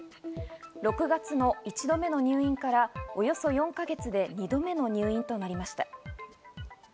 ６月の１度目の入院から、およそ４か月で２度目の入院となりました。